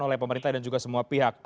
oleh pemerintah dan juga semua pihak